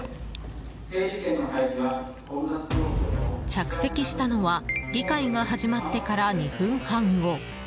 着席したのは議会が始まってから２分半後。